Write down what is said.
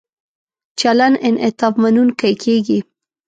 چلند انعطاف مننونکی کیږي.